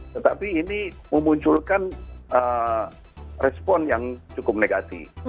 tetapi ini memunculkan respon yang cukup negatif